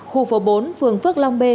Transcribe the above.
khu phố bốn phường phước long b